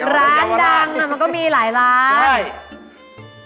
ร้านดังมันก็มีหลายร้าน